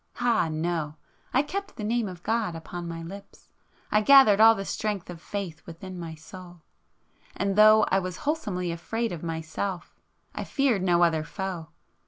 —ah no!—I kept the name of God upon my lips,—I gathered all the strength of faith within my soul,—and though I was wholesomely afraid of Myself, I feared no other foe!